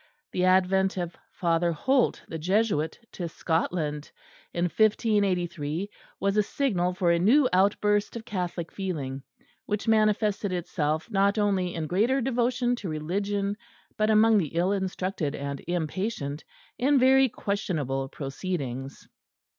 The advent of Father Holt, the Jesuit, to Scotland in 1583 was a signal for a new outburst of Catholic feeling, which manifested itself not only in greater devotion to Religion, but, among the ill instructed and impatient, in very questionable proceedings.